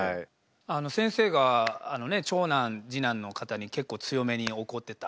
先生が長男次男の方に結構強めに怒ってた。